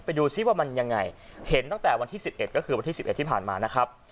ไปดูสิว่ามันยังไงเห็นตั้งแต่วันที่สิบเอ็ดก็คือวันที่สิบเอ็ดที่ผ่านมานะครับ